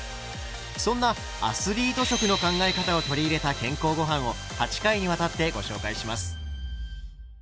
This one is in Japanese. そんな「アスリート食」の考え方を取り入れた健康ごはんを８回にわたってご紹介します。